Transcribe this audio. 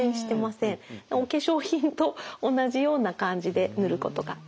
お化粧品と同じような感じで塗ることができます。